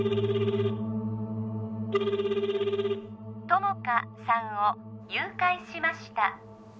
友果さんを誘拐しました